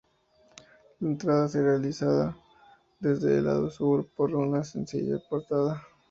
La entrada se realizada desde el lado sur, por una sencilla portada.